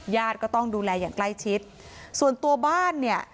ญาติก็ต้องดูแลอย่างใกล้ชิดส่วนตัวบ้านเนี่ย